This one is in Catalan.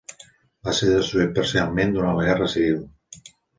Va ser destruït parcialment durant la Guerra Civil.